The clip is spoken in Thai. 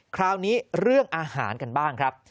คราวนี้เรื่องอาหารกันบ้างครับ